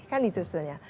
kan itu sebenarnya